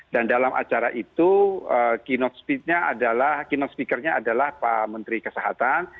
dan dalam acara itu keynote speakernya adalah pak menteri kesehatan